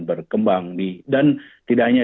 berkembang dan tidak hanya